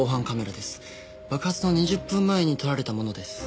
爆発の２０分前に撮られたものです。